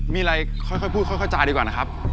มีอะไรค่อยพูดค่อยเข้าใจดีกว่านะครับ